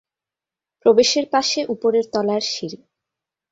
প্রবেশের পাশে উপরের তলার সিঁড়ি।